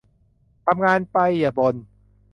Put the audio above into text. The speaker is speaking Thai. ทำงานไป อย่าบ่น